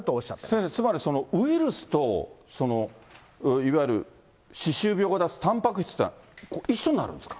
先生、つまり、ウイルスと、いわゆる歯周病を出すたんぱく質というのが一緒になるんですか？